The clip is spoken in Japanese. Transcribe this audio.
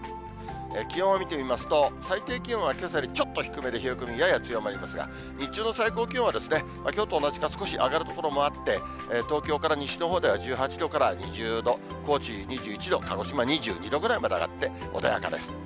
気温を見てみますと、最低気温はけさよりちょっと低めで冷え込みやや強まりますが、日中の最高気温はきょうと同じか少し上がる所もあって、東京から西のほうでは１８度から２０度、高知２１度、鹿児島２２度ぐらいまで上がって、穏やかです。